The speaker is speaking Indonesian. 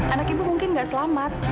anak ibu mungkin nggak selamat